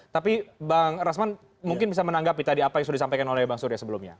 tapi bang rasman mungkin bisa menanggapi tadi apa yang sudah disampaikan oleh bang surya sebelumnya